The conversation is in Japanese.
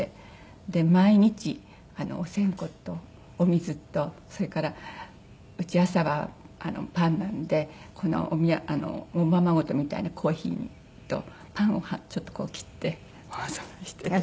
で毎日お線香とお水とそれからうち朝はパンなのでおままごとみたいなコーヒーとパンをちょっとこう切ってお供えして。